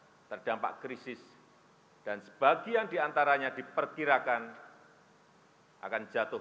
kita tahu satu ratus tujuh negara terdampak krisis dan sebagian diantaranya diperkirakan akan jatuh